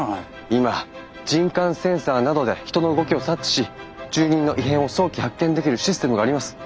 今人感センサーなどで人の動きを察知し住人の異変を早期発見できるシステムがあります。